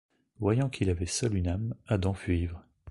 Voyant qu’il avait seul une âme, Adam fut ivre ;